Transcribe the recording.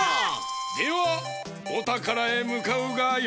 ではおたからへむかうがよい！